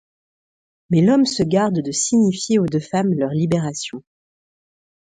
Mais l'homme se garde de signifier aux deux femmes leur libération.